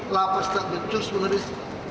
lapas tak becus mengurus